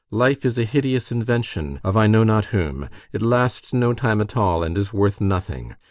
Life is a hideous invention of I know not whom. It lasts no time at all, and is worth nothing.